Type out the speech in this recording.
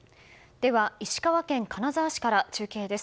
では石川県金沢市から中継です。